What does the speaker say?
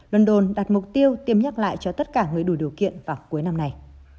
london đặt mục tiêu tiêm nhắc lại cho tất cả người đủ điều kiện vào cuối năm nay